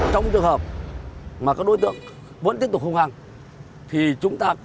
trong trường hợp mà các đối tượng vẫn tiếp tục hung hăng thì chúng ta